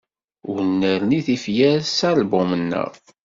Ur nerni tifyar s album-nneɣ.